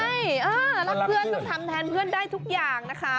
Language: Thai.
ใช่แล้วเพื่อนต้องทำแทนเพื่อนได้ทุกอย่างนะคะ